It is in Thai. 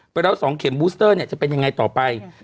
ไปแล้ว๒เข็มบูสเตอร์เนี่ยจะเป็นยังไงต่อไป